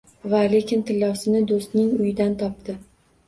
Va lekin tillosini do‘stning uyidan topdi.